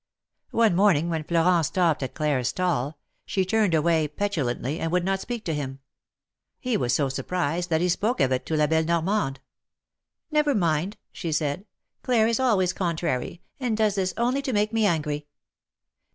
One morning when Florent stopped at Claire's stall, she turned away petulantly, and would not speak to him. He was so surprised that he spoke of it to La belle Normande. Never mind," she said. '^Claire is always contrary, and does this only to make me angry."